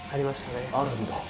あるんだ。